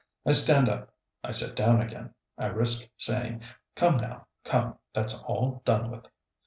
I stand up. I sit down again. I risk saying, "Come now, come; that's all done with."